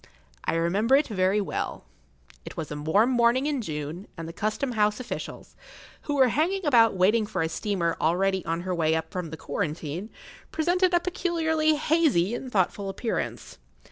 I remember it very well; it was a warm morning in June, and the Custom House officials, who were hanging about waiting for a steamer already on her way up from the Quarantine, presented a[Pg 10] peculiarly hazy and thoughtful appearance.